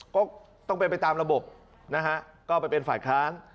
ก็ต้องไปตามระบบนะฮะก็เอาไปเป็นฝ่าข้าง